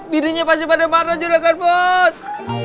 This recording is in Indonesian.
bilinya pasti pada mata juragan bos